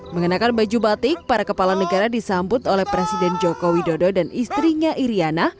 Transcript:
mengenakan baju batik para kepala negara disambut oleh presiden joko widodo dan istrinya iryana